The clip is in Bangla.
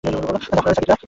জাফর আল-সাদিক রা।